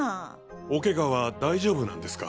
おケガは大丈夫なんですか？